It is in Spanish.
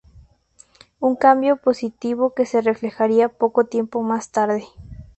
Un cambio positivo que se reflejaría poco tiempo más tarde.